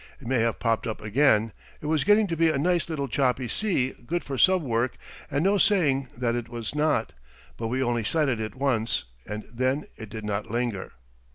It may have popped up again it was getting to be a nice little choppy sea good for sub work and no saying that it was not but we only sighted it once, and then it did not linger.